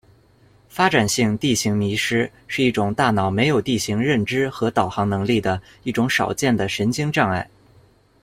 发展性地形迷失是一种大脑没有地形认知和导航能力的一种少见的神经障碍。